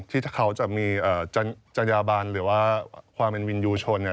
ที่เขาจะมีจัญญาบันหรือว่าความเป็นวินยูชน